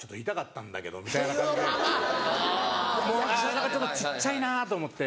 何かちょっと小っちゃいなぁと思って。